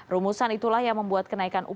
rumusan itulah yang membuat kenaikan upah